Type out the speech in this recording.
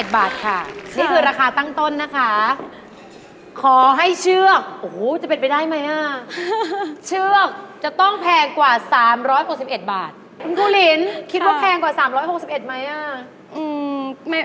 นี่คือราคาตั้งต้นนะคะขอให้เชือกโอ้โหจะเป็นไปได้ไหมอ่ะเชือกจะต้องแพงกว่า๓๖๑บาทคุณครูลินคิดว่าแพงกว่า๓๖๑ไหมอ่ะ